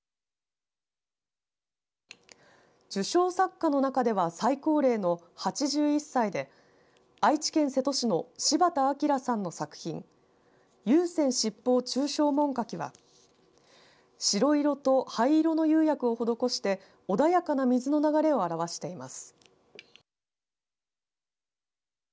受賞作家の中では最高齢の８１歳で愛知県瀬戸市の柴田明さんの作品有線七宝抽象文花器は白色と灰色の釉薬を施して穏やかな水の流れを表しています。